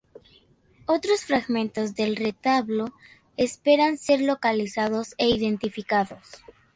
Otros fragmentos del retablo esperan ser localizados e identificados.